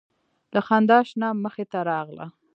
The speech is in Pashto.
له خندا شنه مخې ته راغله